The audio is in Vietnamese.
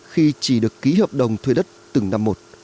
khi chỉ được ký hợp đồng thuê đất từng năm một